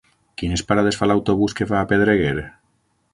Quines parades fa l'autobús que va a Pedreguer?